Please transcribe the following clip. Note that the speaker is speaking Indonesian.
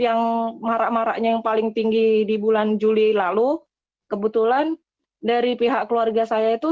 yang marak maraknya yang paling tinggi di bulan juli lalu kebetulan dari pihak keluarga saya itu